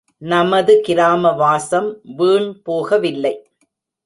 நமது கிராம வாசம் வீண் போகவில்லை.